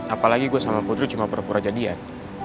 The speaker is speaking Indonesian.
apalagi gue sama putri cuma pura pura jadian